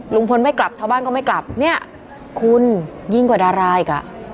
ลุงพลไม่กลับชาวบ้านก็ไม่กลับเนี่ยคุณยิ่งกว่าดาราอีกอ่ะ